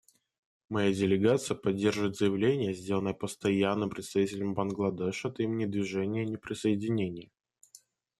Моя делегация поддерживает заявление, сделанное Постоянным представителем Бангладеш от имени Движения неприсоединения.